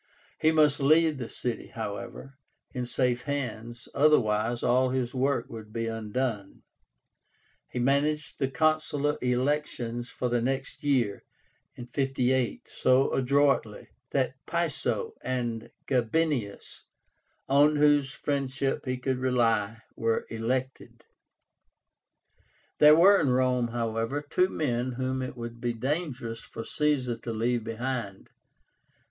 He must leave the city, however, in safe hands, otherwise all his work would be undone. He managed the consular elections for the next year (58) so adroitly, that Piso and Gabinius, on whose friendship he could rely, were elected. There were in Rome, however, two men whom it would be dangerous for Caesar to leave behind.